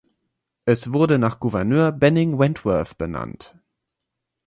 Es wurde nach Gouverneur Benning Wentworth benannt.